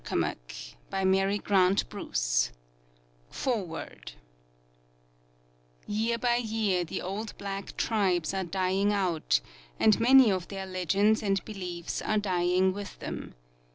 LONDON AND MELBOURNE 1922 f K FOREWORD YEAR by year the old black tribes are dying out, and many of their legends and beliefs are d3ang with them.